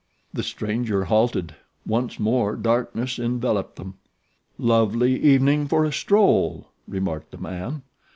The stranger halted. Once more darkness enveloped them. "Lovely evening for a stroll," remarked the man.